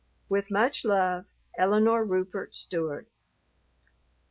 With much love, ELINORE RUPERT STEWART.